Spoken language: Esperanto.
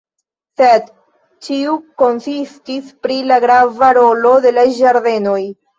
Sed ĉiu konsentis pri la grava rolo de la ĝardenoj.